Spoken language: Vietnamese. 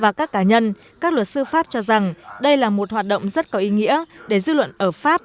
và các cá nhân các luật sư pháp cho rằng đây là một hoạt động rất có ý nghĩa để dư luận ở pháp